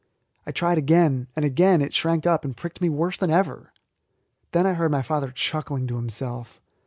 I tried again, and again it shrank up and pricked me worse than ever. Then I heard my father chuckling to himself.